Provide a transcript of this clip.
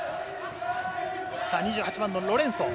２８番のロレンソ。